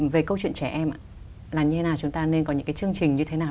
về câu chuyện trẻ em ạ là như thế nào chúng ta nên có những cái chương trình như thế nào